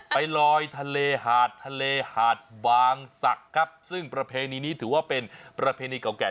ไปลอยทะเลหาดทะเลหาดบางศักดิ์ครับซึ่งประเพณีนี้ถือว่าเป็นประเพณีเก่าแก่